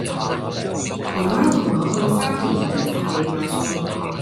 姨媽同我去沙田宜正里買餸